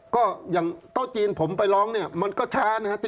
ก็อย่างเต้าจีนผมไปร้องมันก็ช้านะครับ